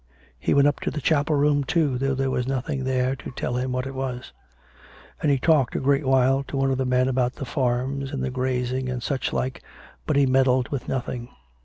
He went up into the chapel room, too, though there was nothing there to tell him what it was; and he talked a great while to one of the men about the farms, and the grazing, and such like, but he meddled with nothing."